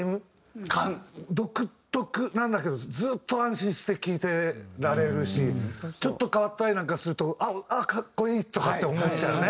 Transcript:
独特なんだけどずっと安心して聴いてられるしちょっと変わったりなんかするとあっ格好いいとかって思っちゃうね。